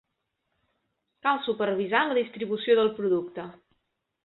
Cal supervisar la distribució del producte.